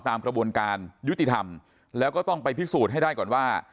ตามกระบวนการยุติธรรมแล้วก็ต้องไปพิสูจน์ให้ได้ก่อนว่า